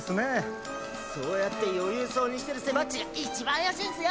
そうやって余裕そうにしてるセバっちが一番怪しいんすよ！